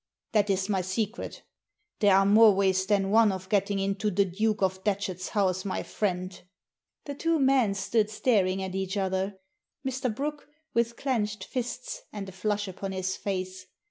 "That is my secret There are more ways than one of getting into the Duke of Datchet's house, my friend." The two men stood staring at each other. Mr. Brooke with clenched fists and a flush upon his face.